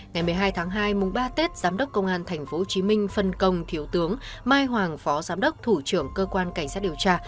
ngày một mươi hai tháng hai mùng ba tết giám đốc công an tp hcm phân công thiếu tướng mai hoàng phó giám đốc thủ trưởng cơ quan cảnh sát điều tra